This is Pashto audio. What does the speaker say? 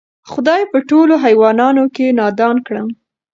خدای په ټولوحیوانانو کی نادان کړم